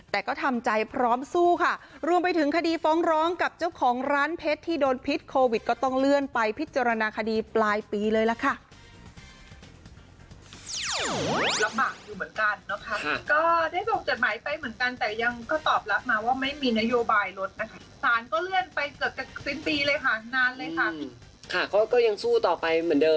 แต่ก็ทำใจพร้อมสู้ค่ะรวมไปถึงคดีฟ้องร้องกับเจ้าของร้านเพชรที่โดนพิษโควิดก็ต้องเลื่อนไปพิจารณาคดีปลายปีเลยล่ะค่ะ